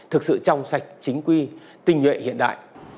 thực sự trong sạch chính quy tinh nhuệ hiện đại